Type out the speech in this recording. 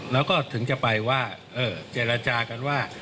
แล้วก็ถึงจะไปว่าเจรจากันว่า